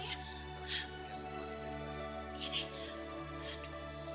ya ayo tempenin dia mau ya